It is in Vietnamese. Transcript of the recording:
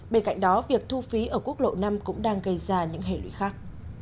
bên cạnh đó việc thu phí ở quốc lộ năm cũng đang gây ra những hệ lụy khác